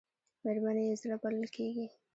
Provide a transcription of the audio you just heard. مېرمنې یې زړه بلل کېږي .